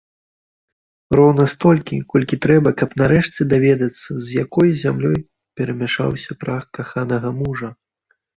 Роўна столькі, колькі трэба, каб, нарэшце, даведацца, з якой зямлёй перамяшаўся прах каханага мужа.